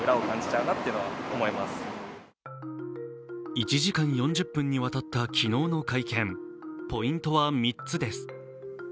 １時間４０分にわたった昨日の会見ポイントは３つです。